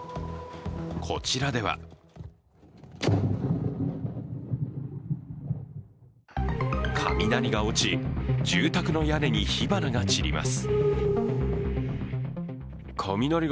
こちらでは雷が落ち、住宅の屋根に火花が散ります。